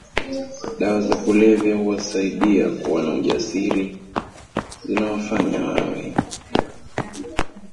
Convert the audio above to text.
dawa za kulevya huwasaidia kuwa na ujasiri zinawafanya wawe